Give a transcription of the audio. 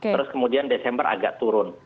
terus kemudian desember agak turun